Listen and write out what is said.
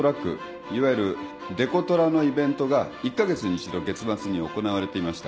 いわゆるデコトラのイベントが１カ月に１度月末に行われていました。